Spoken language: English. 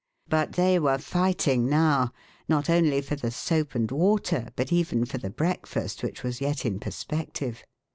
But they were fighting now, not only for the soap and water, but even for the break fast which was yet in perspective.